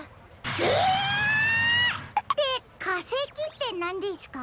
ええっ！ってかせきってなんですか？